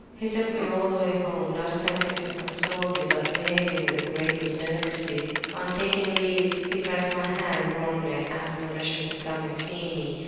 He took me all the way home; not attempting to console me, but behaving with the greatest delicacy. On taking leave he pressed my hand warmly and asked permission to come and see me.